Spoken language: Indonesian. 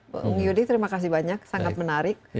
bung yudi terima kasih banyak sangat menarik